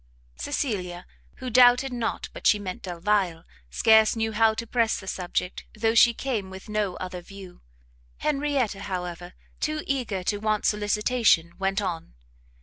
Cecilia, who doubted not but she meant Delvile, scarce knew how to press the subject, though she came with no other view: Henrietta, however, too eager to want solicitation, went on.